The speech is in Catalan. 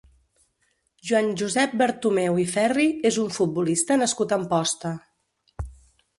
Joan Josep Bertomeu i Ferri és un futbolista nascut a Amposta.